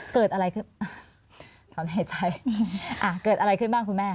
เกิดอะไรขึ้นบ้างคุณแม่